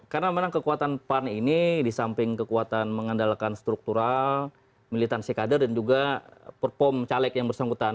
karena memang kekuatan pan ini disamping kekuatan mengandalkan struktural militan sekadar dan juga perpom caleg yang bersangkutan